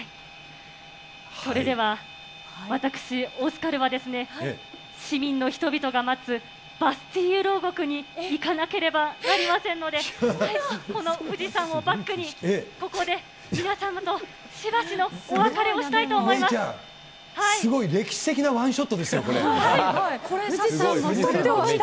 それでは私、オスカルは、市民の人々が待つバスティーユ牢獄に行かなければなりませんので、この富士山をバックに、ここで皆様としばしのお別れしたいと思い芽生ちゃん、すごい歴史的なワンショットですよ、これ。